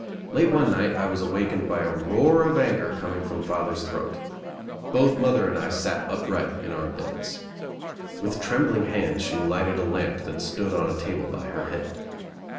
Late one night I was awakened by a roar of anger coming from father's throat. Both mother and I sat upright in our beds. With trembling hands she lighted a lamp that stood on a table by her head.